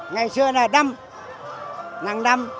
ngày xưa là đâm nắng đâm